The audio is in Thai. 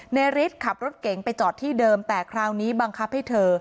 ฤทธิ์ขับรถเก๋งไปจอดที่เดิมแต่คราวนี้บังคับให้เธอ